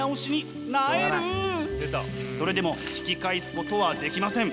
それでも引き返すことはできません。